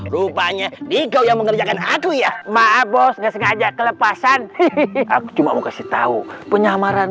rupanya digo yang mengerjakan aku ya maaf bos nggak sengaja kelepasan aku cuma mau kasih tahu penyamaran